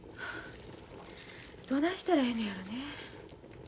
どないしたらええのやろね。